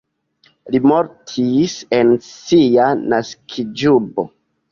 Li mortis en sia naskiĝurbo.